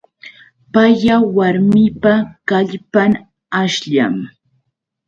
Paya warmipa kallpan ashllam.